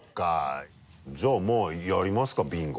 じゃあまぁやりますかビンゴ。